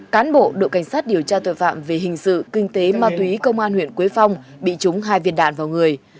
cán bộ đội cảnh sát điều tra tội phạm về hình sự kinh tế ma túy công an huyện quế phong bị trúng hai viên đạn vào người